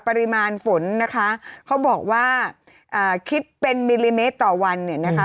ปริมาณฝนนะคะเขาบอกว่าอ่าคิดเป็นมิลลิเมตรต่อวันเนี่ยนะคะ